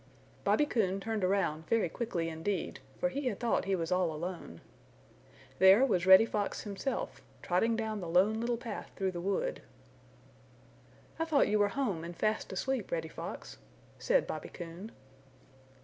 Bobby Coon turned around very quickly indeed, for he had thought he was all alone. There was Reddy Fox himself, trotting down the Lone Little Path through the wood. "I thought you were home and fast asleep, Reddy Fox," said Bobby Coon.